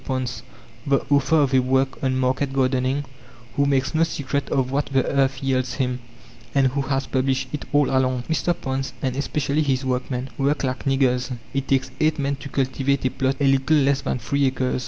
Ponce, the author of a work on market gardening, who makes no secret of what the earth yields him, and who has published it all along. M. Ponce, and especially his workmen, work like niggers. It takes eight men to cultivate a plot a little less than three acres (2.